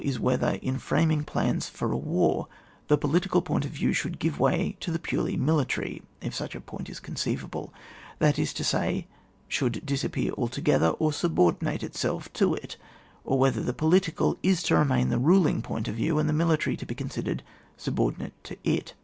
VI.] WAIt AS AN mSTR UMENT OF POLICY, 67 whether in framing plans for a war the political point of view should give way to the purely militaiy (if such a point is conceivable) ) that is to say, shoidd dis appear altogether, or subordinate itself to it, or whether the political is to remain the ruling point of view, and the mili tary to be considered subordinate to it.